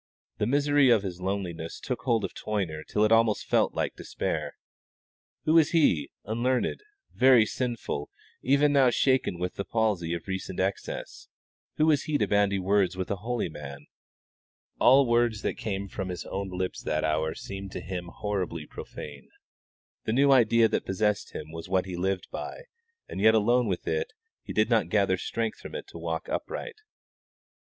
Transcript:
The misery of his loneliness took hold of Toyner till it almost felt like despair. Who was he, unlearned, very sinful, even now shaken with the palsy of recent excess who was he to bandy words with a holy man? All words that came from his own lips that hour seemed to him horribly profane. The new idea that possessed him was what he lived by, and yet alone with it he did not gather strength from it to walk upright.